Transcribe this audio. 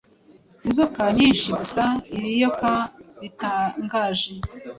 Inzoka nyinshigusa-ibiyoka bitangaje